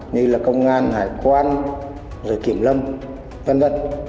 như là công an hải quan rồi kiểm lâm v v